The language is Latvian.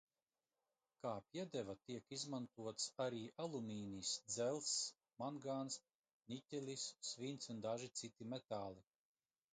Kā piedeva tiek izmantots arī alumīnijs, dzelzs, mangāns, niķelis, svins un daži citi metāli.